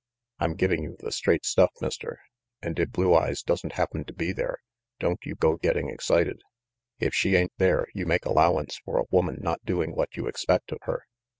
"I'm giving you the straight stuff, Mister, and if Blue Eyes doesn't happen to be there, don't you go getting excited. If she ain't there, you make allowance for a woman not doing what you expect of her.